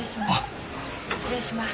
失礼します。